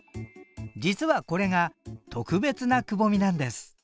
実はこれが特別なくぼみなんです。